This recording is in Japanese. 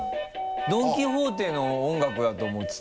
「ドン・キホーテ」の音楽だと思ってた。